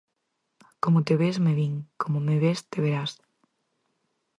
"Como te ves, me vin; como me ves, te verás".